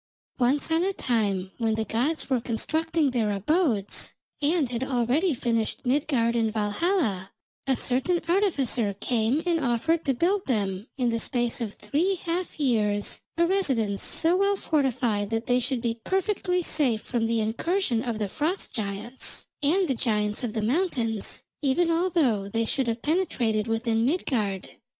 Once on a time when the gods were constructing their abodes, and had already finished Midgard and Valhalla, a certain artificer came and offered to build them, in the space of three half years, a residence so well fortified that they should be perfectly safe from the incursion of the Frost giants, and the giants of the mountains, even although they should have penetrated within Midgard.